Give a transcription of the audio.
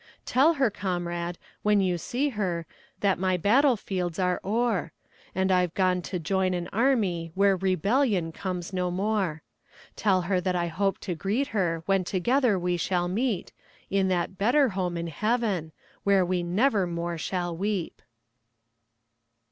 Tell her, comrade, when you see her, That my battlefields are o'er, And I've gone to join an army Where rebellion comes no more; Tell her that I hope to greet her, When together we shall meet, In that better home in heaven, Where we never more shall weep.